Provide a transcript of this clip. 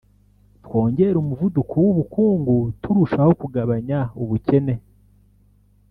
twongere umuvuduko w’ubukungu turushaho kugabanya ubukene”